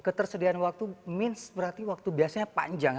ketersediaan waktu means berarti waktu biasanya panjang ya